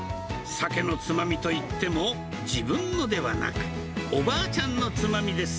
酒のつまみといっても、自分のではなく、おばあちゃんのつまみです。